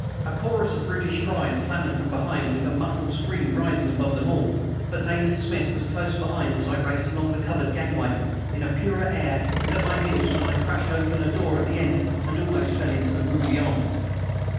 A chorus of brutish cries clamored from behind, with a muffled scream rising above them all. But Nayland Smith was close behind as I raced along a covered gangway, in a purer air, and at my heels when I crashed open a door at the end and almost fell into the room beyond.